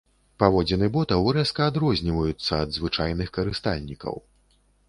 Паводзіны ботаў рэзка адрозніваюцца ад звычайных карыстальнікаў.